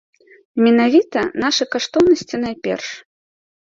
Менавіта нашы каштоўнасці найперш.